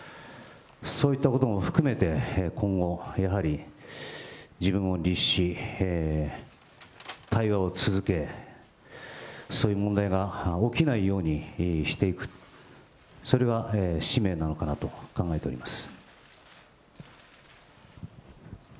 そういったことも含めて今後、やはり自分を律し、対話を続け、そういう問題が起きないようにしていく、それは使命なのかなと考えております。